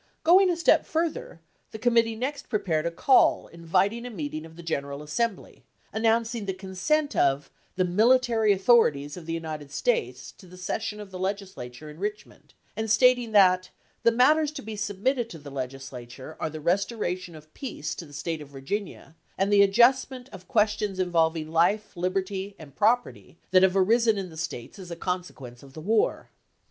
Going a step further, the com mittee next prepared a call inviting a meeting of the General Assembly, announcing the consent of " the military authorities of the United States to the session of the legislature in Richmond," and stating that " The matters to be submitted to the legislature are the restoration of peace to the State of Virginia, and the adjustment of questions in volving life, liberty, and property that have arisen in the States as a consequence of the war."